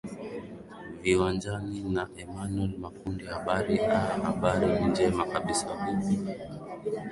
viwanjani na emanuel makundi habari aa habari ni njema kabisa vipi